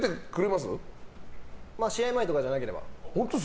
まあ、試合前とかじゃなければ。